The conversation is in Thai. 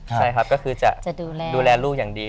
ใช่ครับก็คือจะดูแลลูกอย่างดี